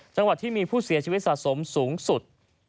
จังหวัดที่มีผู้เสียชีวิตสะสมสูงสุด